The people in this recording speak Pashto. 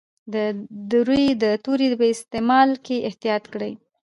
د روي د توري په استعمال کې احتیاط کړی.